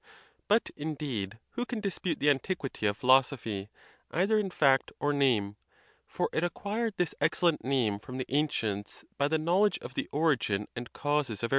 But, indeed, who can dispute the antiquity of phi losophy, either in fact or name? For it acquired this ex cellent name from the ancients, by the knowledge of the origin and causes of everything, both divine and human.